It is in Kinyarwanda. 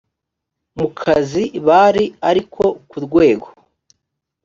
mu kazi bari ariko ku rwego